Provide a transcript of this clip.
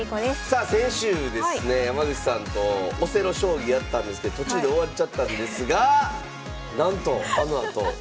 さあ先週ですね山口さんとオセロ将棋やったんですけど途中で終わっちゃったんですがなんとあのあと。